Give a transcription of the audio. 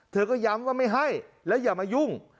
เธอก็ย้ำว่าไม่ให้แล้วอย่ามายุ่ง